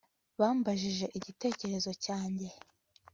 Bambajije igitekerezo cyanjye